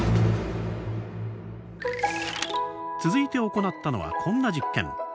続いて行ったのはこんな実験。